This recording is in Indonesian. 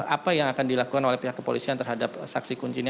apa yang akan dilakukan oleh pihak kepolisian terhadap saksi kunci ini